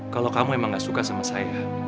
kalau kamu memang gak suka sama saya